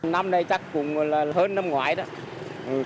năm nay chắc cũng là hơn năm ngoái đó